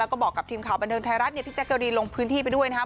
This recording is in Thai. ก็บอกกับทีมข่าวบันเทิงไทยรัฐเนี่ยพี่แจ๊กเกอรีนลงพื้นที่ไปด้วยนะครับ